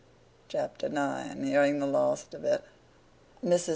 CHAPTER IX HEARING THE LAST OF IT MRS.